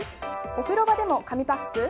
お風呂場でも紙パック？